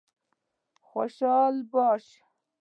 خوشاله به شي.